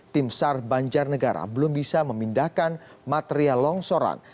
tim sar banjarnegara belum bisa memindahkan material longsoran